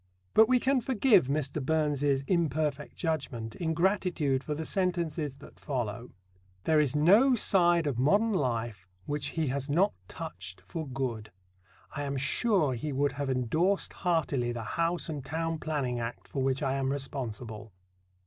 But we can forgive Mr. Burns's imperfect judgment in gratitude for the sentences that follow: There is no side of modern life which he has not touched for good. I am sure he would have endorsed heartily the House and Town Planning Act for which I am responsible.